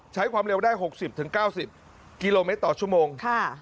ใช้ความเร็วได้หกสิบถึงเก้าสิบกิโลเมตรต่อชั่วโมงค่ะ